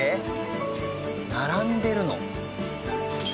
並んでるの？